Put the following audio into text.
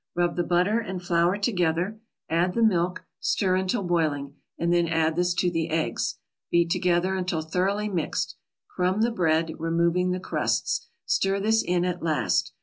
Rub the butter and flour together, add the milk, stir until boiling, and then add this to the eggs; beat together until thoroughly mixed. Crumb the bread, removing the crusts; stir this in at last.